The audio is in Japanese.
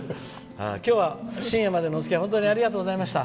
今日は深夜までのおつきあいありがとうございました。